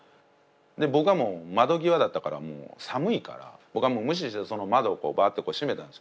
僕はもう窓際だったから寒いから僕はもう無視してその窓をバッと閉めたんですよ。